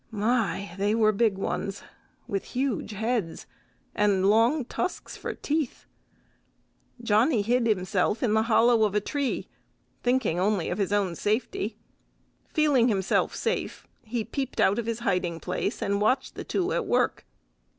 My! they were big ones, with huge heads and long tusks for teeth. Johnny hid himself in the hollow of a tree, thinking only of his own safety. Feeling himself safe, he peeped out of his hiding place, and watched the two at work.